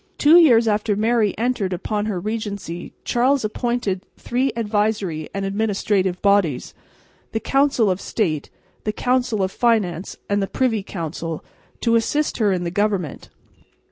Two years after Mary entered upon her regency Charles appointed three advisory and administrative bodies the Council of State, the Council of Finance and the Privy Council to assist her in the government.